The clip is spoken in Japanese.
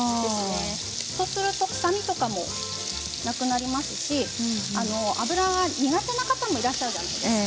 そうすると臭みとかもなくなりますし脂が苦手な方もいらっしゃるじゃないですか。